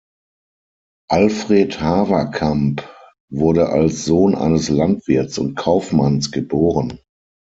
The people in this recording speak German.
Alfred Haverkamp wurde als Sohn eines Landwirts und Kaufmanns geboren.